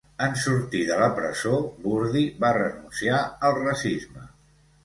En sortir de la presó, Burdi va renunciar al racisme.